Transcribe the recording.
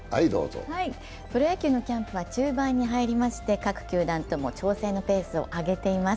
プロ野球のキャンプは中盤に入りまして各球団とも調整のペースを上げています。